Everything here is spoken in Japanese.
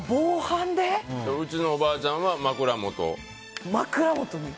うちのおばあちゃんは枕元。